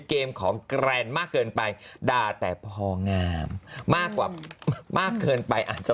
เกมของแกรนมากเกินไปด่าแต่พองามมากกว่ามากเกินไปอาจจะ